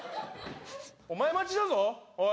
お前待ちだぞおい